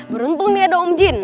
beruntung nih ada om jin